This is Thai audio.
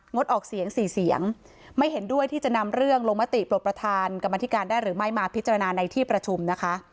ออกเสียงสี่เสียงไม่เห็นด้วยที่จะนำเรื่องลงมติปลดประธานกรรมธิการได้หรือไม่มาพิจารณาในที่ประชุมนะคะ